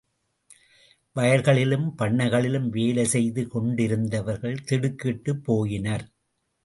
வயல்களிலும் பண்ணைகளிலும் வேலை செய்து கொண்டிருந்தவர்கள் திடுக்கிட்டுப் போயினர்.